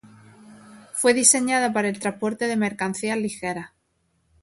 Fue diseñada para el transporte de mercancías ligeras.